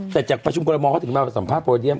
แต่จากประชุมกรมอลเขาถึงมาสัมภาษณโปรเดียม